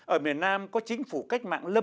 ở miền nam có chính phủ cách mạng lâm